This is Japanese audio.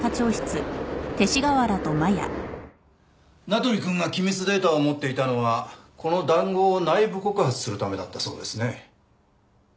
名取くんが機密データを持っていたのはこの談合を内部告発するためだったそうですね。